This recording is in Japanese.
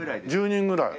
１０人ぐらい。